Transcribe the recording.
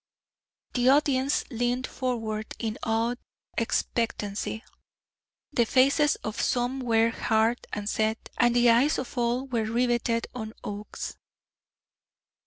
The audience leaned forward in awed expectancy. The faces of some were hard and set, and the eyes of all were riveted on Oakes.